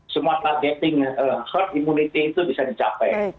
semua targeting herd immunity itu bisa dicapai